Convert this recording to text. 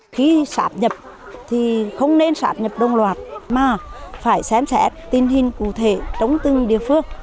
khi sắp nhập thì không nên sắp nhập đồng loạt mà phải xem xét tinh hình cụ thể trong từng địa phương